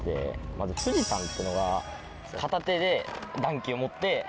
まず富士山っていうのが片手で団旗を持って。